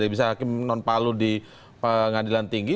bisa hakim non palu di pengadilan tinggi